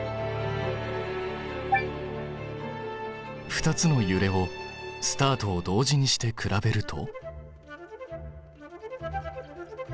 ２つのゆれをスタートを同時にして比べると？